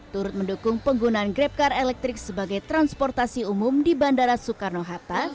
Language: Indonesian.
turut mendukung penggunaan grab car electric sebagai transportasi umum di bandara soekarno hatta